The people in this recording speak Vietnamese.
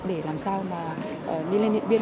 để làm sao mà đi lên hiện biên